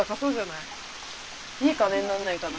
いい金になんないかな。